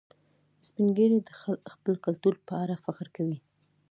سپین ږیری د خپل کلتور په اړه فخر کوي